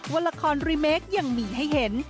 ว่าละครรีเมคยังมีให้เห็น